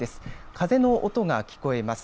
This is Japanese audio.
風の音が聞こえます。